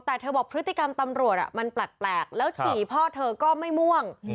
แต่เธอบอกพฤติกรรมตำรวจมันแปลกแล้วฉี่พ่อเธอก็ไม่ม่วง